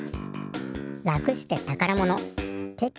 楽してたからもの。